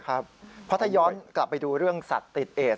เพราะถ้าย้อนกลับไปดูเรื่องสัตว์ติดเอด